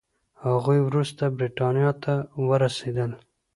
هغوی وروسته بریتانیا ته ورسېدل.